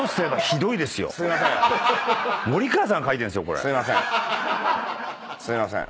すいません。